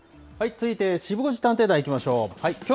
続いて、シブ５時探偵団いきましょう。